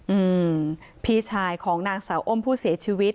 อืมพี่ชายของนางสาวอ้มผู้เสียชีวิต